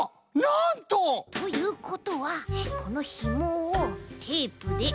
なんと！ということはこのひもをテープで。